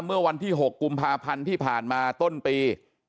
เมื่อวันที่๖กุมภาพันธ์ที่ผ่านมาต้นปี